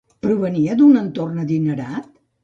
Provenia d'un entorn adinerat?